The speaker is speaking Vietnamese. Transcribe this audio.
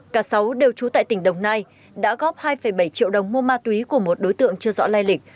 cả sáu đều trú tại tỉnh đồng nai đã góp hai bảy triệu đồng mua ma túy của một đối tượng chưa rõ lai lịch